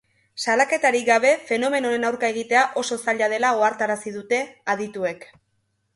Salaketarik gabe fenomeno honen aurka egitea oso zaila dela ohartarazi dute adituek.